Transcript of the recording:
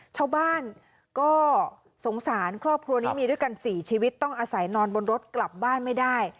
ชาวบ้านก็สงสารครอบครัวนี้มีด้วยกัน๔ชีวิตต้องอาศัยนอนบนรถกลับบ้านไม่ได้